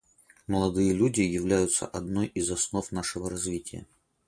Молодые люди являются одной из основ нашего развития.